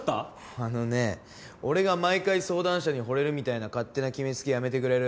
あのねぇ俺が毎回相談者に惚れるみたいな勝手な決めつけやめてくれる？